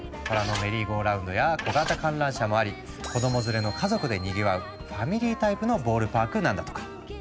虎のメリーゴーラウンドや小型観覧車もあり子ども連れの家族でにぎわうファミリータイプのボールパークなんだとか。